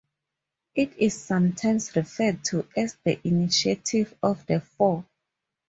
It is sometimes referred to as the "Initiative of the Four".